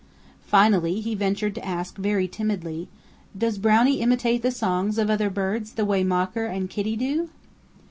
Finally he ventured to ask very timidly, "Does Brownie imitate the songs of other birds the way Mocker and Kitty do?"